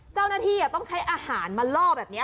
เจ้าหน้าที่ต้องใช้อาหารมาล่อแบบนี้